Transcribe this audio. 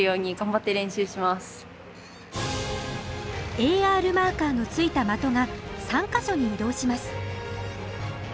ＡＲマーカーのついた的が３か所に移動します